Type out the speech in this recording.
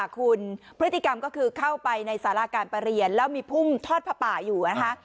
คุณพฤติกรรมก็คือเข้าไปในสาราการประเรียนแล้วมีพุ่มทอดผ้าป่าอยู่นะคะ